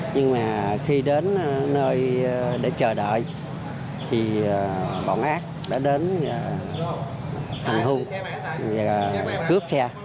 nhưng mà khi đến nơi để chờ đợi thì bọn át đã đến hành hung và cướp xe